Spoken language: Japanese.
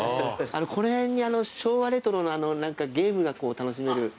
この辺に昭和レトロのあの何かゲームが楽しめる。